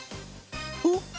おっ！